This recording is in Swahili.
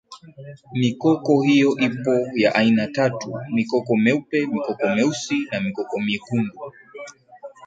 Mikoko hiyo ipo ya aina tatu mikoko meupe mikoko meusi na mikoko myekundu